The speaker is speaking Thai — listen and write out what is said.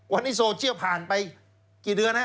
วันนี้โซเชียลผ่านไปกี่เดือนฮะ